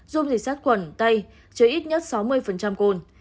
dung dịch sát quẩn tay chứ ít nhất sáu mươi cồn